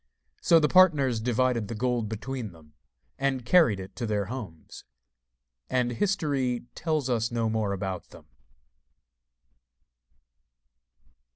So the partners divided the gold between them, and carried it to their homes; and history tells us no more about them.